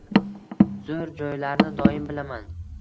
Zo‘r joylarni doim bilaman.